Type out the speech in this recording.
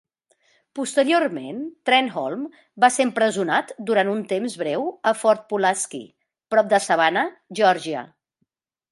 Posteriorment, Trenholm va ser empresonat durant un temps breu a Fort Pulaski, prop de Savannah, Geòrgia.